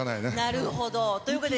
なるほど。ということで。